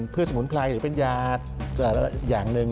เพื่อสมุนไพรหรือเป็นยาบาลอย่างหนึ่ง